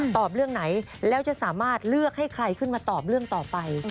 ตอบเรื่องไหนแล้วจะสามารถเลือกให้ใครขึ้นมาตอบเรื่องต่อไป